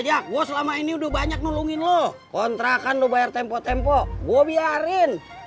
jago selama ini udah banyak nolongin loh kontrakan lu bayar tempo tempo gua biarin